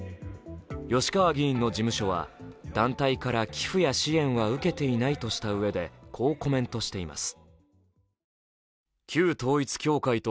吉川議員の事務所は団体から寄付や支援は受けていないとしたうえでこうコメントしています。